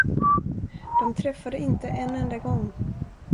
De träffade inte en enda gång!